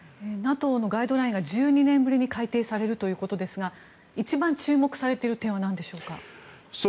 ＮＡＴＯのガイドラインが１２年ぶりに改定されるということですが一番注目されている点はなんでしょうか。